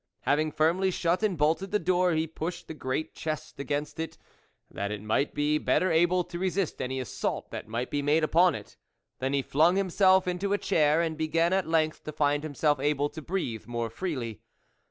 1 '.. Having firmly shut and bolted the door, he pushed the great chest against it, that it might be better able to resist any assault that might be made upon it. Then he flung himself into a chair, and began at length to find himself able to breathe more freely.